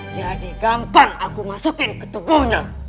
gampang aku masukin ke tubuhnya